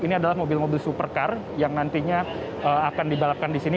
ini adalah mobil mobil supercar yang nantinya akan dibalapkan di sini